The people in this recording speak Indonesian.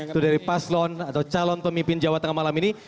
itu dari paslon atau calon pemimpin jawa tengah malam ini